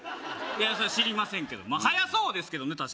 いやそれ知りませんけど速そうですけどね